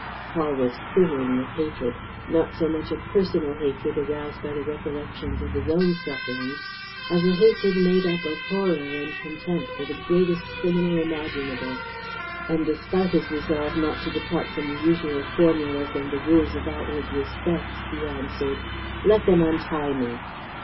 Paul was quivering with hatred, not so much a personal hatred aroused by the recollection of his own sufferings as a hatred made up of horror and contempt for the greatest criminal imaginable. And, despite his absolute resolve not to depart from the usual formulas and the rules of outward respect, he answered: "Let them untie me!"